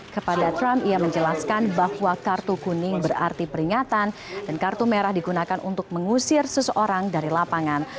kepada trump ia menjelaskan bahwa kartu kuning berarti peringatan dan kartu merah digunakan untuk mengusir seseorang dari lapangan